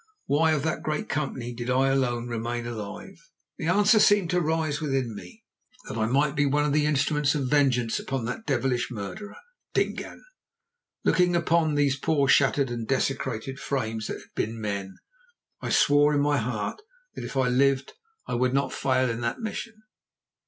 Why of that great company did I alone remain alive? An answer seemed to rise within me: That I might be one of the instruments of vengeance upon that devilish murderer, Dingaan. Looking upon those poor shattered and desecrated frames that had been men, I swore in my heart that if I lived I would not fail in that mission.